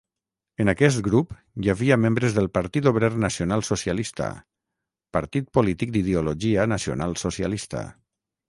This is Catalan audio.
En aquest grup hi havia membres del Partit Obrer Nacional-Socialista, partit polític d'ideologia nacional-socialista.